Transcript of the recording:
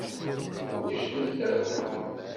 Twejdemt akk.